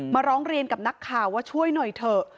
ร้องเรียนกับนักข่าวว่าช่วยหน่อยเถอะ